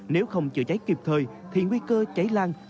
nếu không chữa cháy kịp thời thì nguy cơ cháy lan